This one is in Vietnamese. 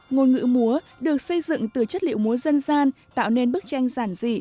ngôn ngữ múa được xây dựng từ chất liệu múa dân gian tạo nên bức tranh giản dị